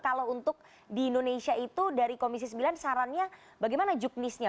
kalau untuk di indonesia itu dari komisi sembilan sarannya bagaimana juknisnya